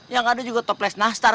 yang ada juga toples nastar